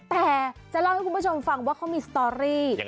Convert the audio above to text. แต่จะเล่าให้คุณผู้ชมฟังว่าเขามีสตอรี่